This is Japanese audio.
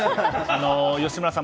吉村さん